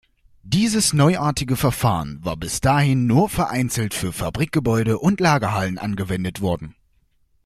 Dieses neuartige Verfahren war bis dahin nur vereinzelt für Fabrikgebäude und Lagerhallen angewendet worden.